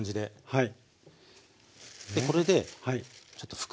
はい。